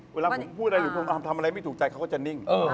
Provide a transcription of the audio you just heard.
เวลาผมพูดอะไรหรือผมทำอะไรไม่ถูกใจเขาก็จะนิ่ง